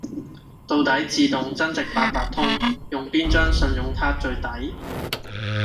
到底自動增值八達通，用邊張信用卡最抵？